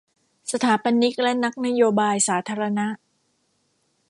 สถาปนิกและนักนโยบายสาธารณะ